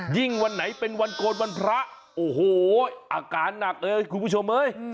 วันไหนเป็นวันโกนวันพระโอ้โหอาการหนักเลยคุณผู้ชมเอ้ย